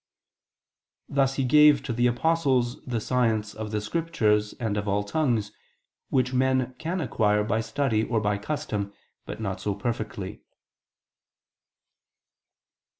Thus He gave to the apostles the science of the Scriptures and of all tongues, which men can acquire by study or by custom, but not so perfectly.